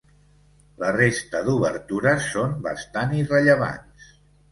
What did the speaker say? La resta d'obertures són bastant irrellevants.